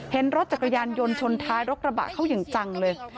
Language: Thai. เห็นรถจักรยานยนต์ชนท้ายรถกระบะเขาอย่างจังเลย